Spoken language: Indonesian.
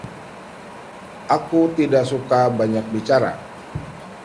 Ayahku tidak suka banyak bicara.